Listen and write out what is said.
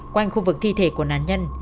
quanh khu vực thi thể của nạn nhân